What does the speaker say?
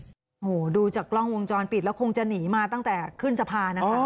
โอ้โหดูจากกล้องวงจรปิดแล้วคงจะหนีมาตั้งแต่ขึ้นสะพานนะคะ